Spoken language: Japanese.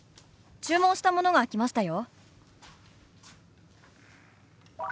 注文したものが来ましたよ」。